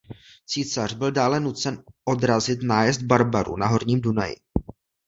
Císař byl dále nucen odrazit nájezd barbarů na horním Dunaji.